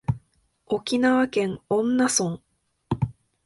沖縄県恩納村